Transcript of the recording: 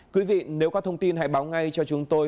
quý vị nếu có thông tin hãy báo ngay cho chúng tôi